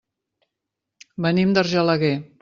Venim d'Argelaguer.